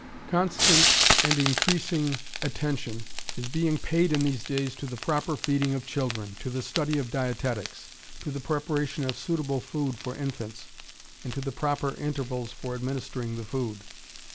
] Constant and increasing attention is being paid in these days to the proper feeding of children, to the study of dietetics, to the preparation of suitable food for infants, and to the proper intervals for administering the food.